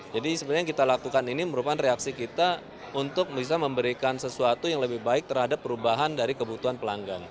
jadi sebenarnya yang kita lakukan ini merupakan reaksi kita untuk bisa memberikan sesuatu yang lebih baik terhadap perubahan dari kebutuhan pelanggan